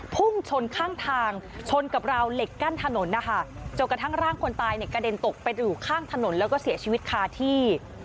พุ่งชนข้างทางชนกับราวเหล็กกั้นถนนนะคะจนกระทั่งร่างคนตายเนี่ยกระเด็นตกไปอยู่ข้างถนนแล้วก็เสียชีวิตคาที่